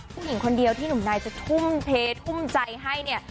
ผู้หญิงคนเดียวที่หนุ่มนายจะทุ่มเททุ่มใจให้เนี่ย